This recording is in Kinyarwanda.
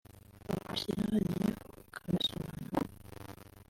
bagushyira hariya ukabisobanura